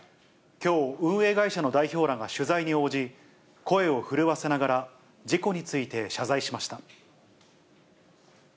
きょう、運営会社の代表らが取材に応じ、声を震わせながら、事故について謝罪しました。